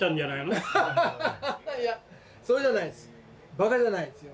バカじゃないですよ。